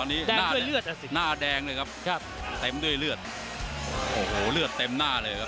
ตอนนี้หน้าแดงเลยครับครับเต็มด้วยเลือดโอ้โหเลือดเต็มหน้าเลยครับ